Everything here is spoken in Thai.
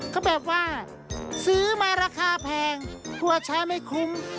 ก็แบบว่าซื้อมาราคาแพงกลัวใช้ไม่คุ้ม